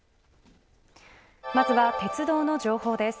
まずは、鉄道の情報です。